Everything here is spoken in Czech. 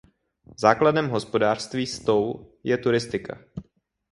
Základem hospodářství Stowe je turistika.